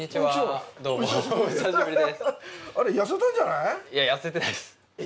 いや痩せてないです。え。